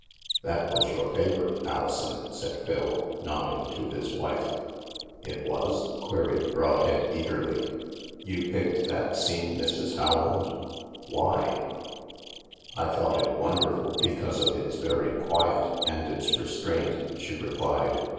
"That was your favorite, Alison," said Phil, nodding to his wife. " It was ?" queried Brodhead eagerly. " You picked that scene, Mrs. Rowland? Why? "" I thought it wonderful because of its very quiet and its restraint," she replied.